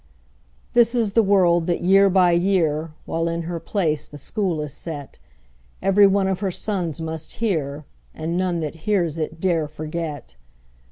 This is the word that year by year, While in her place the School is set, Every one of her sons must hear, And none that hears it dare forget.